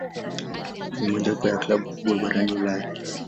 Ni mojawapo ya klabu kubwa barani Ulaya.